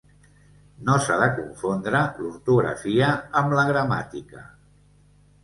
No s'ha de confondre l'ortografia amb la gramàtica.